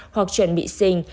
hoặc chuẩn bị sinh